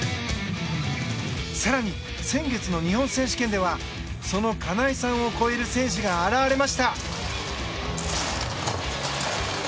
更に先月の日本選手権ではその金井さんを超える選手が現れました。